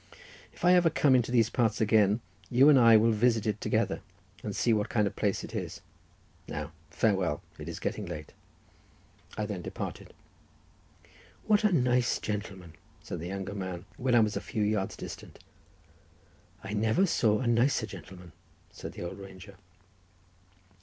If I ever come into these parts again, you and I will visit it together, and see what kind of a place it is. Now farewell! It is getting late." I then departed. "What a nice gentleman!" said the younger man, when I was a few yards distant. "I never saw a nicer gentleman," said the old ranger.